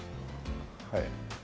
はい。